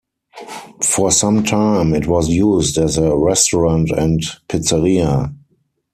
For some time, it was used as a restaurant and pizzeria.